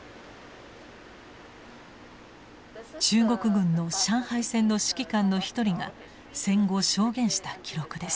中国軍の上海戦の指揮官の一人が戦後証言した記録です。